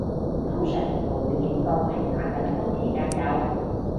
通常暴雨警告係打緊風期間有